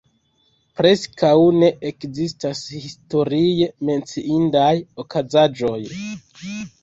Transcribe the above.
Preskaŭ ne ekzistas historie menciindaj okazaĵoj.